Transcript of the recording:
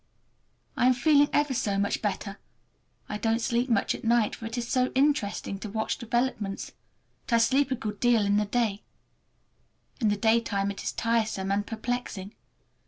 I'm feeling ever so much better! I don't sleep much at night, for it is so interesting to watch developments; but I sleep a good deal in the daytime. In the daytime it is tiresome and perplexing.